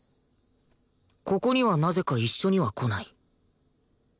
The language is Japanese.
ここにはなぜか一緒には来ない